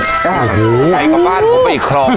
โอ้โฮไกลกลับบ้านเขาไปอีกครองนึง